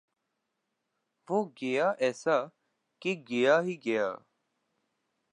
وہ گیا ایسا کی گیا ہی گیا